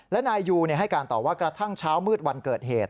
และนายยูให้การต่อว่ากระทั่งเช้ามืดวันเกิดเหตุ